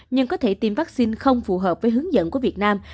nhưng có thể tiêm vaccine không phù hợp với hướng dẫn của việt nam